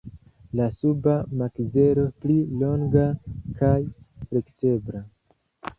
La suba makzelo pli longa kaj fleksebla.